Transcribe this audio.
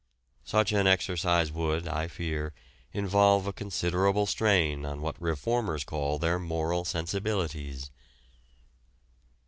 Such an exercise would, I fear, involve a considerable strain on what reformers call their moral sensibilities.